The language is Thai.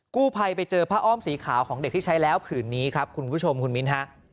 กู้ภัยไปเจอผ้าอ้อมสีขาวของเด็กที่ใช้แล้วผืนนี้ครับคุณผู้ชมคุณมิ้นฮะ